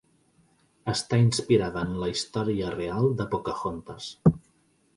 Està inspirada en la història real de Pocahontas.